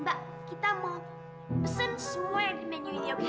mbak kita mau pesen semua di menu ini oke